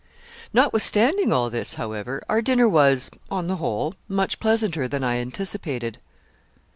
Notwithstanding all this, however, our dinner was, on the whole, much pleasanter than I anticipated.